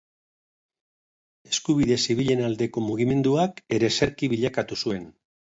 Eskubide zibilen aldeko mugimenduak ereserki bilakatu zuen.